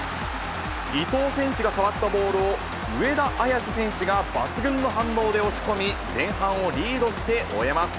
伊東選手が触ったボールを上田綺世選手が抜群の反応で押し込み、前半をリードして終えます。